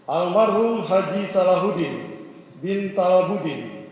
almarhum haji salahuddin bin talabudin